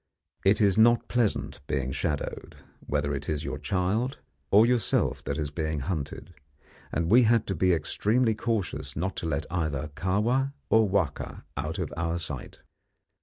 It is not pleasant being shadowed, whether it is your child or yourself that is being hunted, and we had to be extremely cautious not to let either Kahwa or Wahka out of our sight.